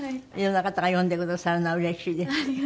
いろんな方が読んでくださるのはうれしいです。